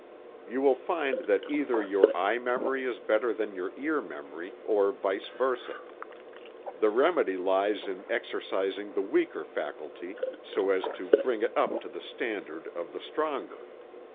_ You will find that either your eye memory is better than your ear memory, or vice versa. The remedy lies in exercising the weaker faculty, so as to bring it up to the standard of the stronger.